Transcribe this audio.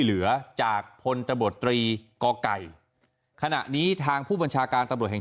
เหลือจากพลตำรวจตรีก่อไก่ขณะนี้ทางผู้บัญชาการตำรวจแห่ง